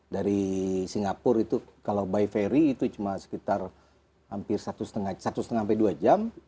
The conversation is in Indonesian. dari singapura itu kalau by ferry itu cuma sekitar hampir satu lima sampai dua jam